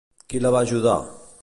Qui la va ajudar?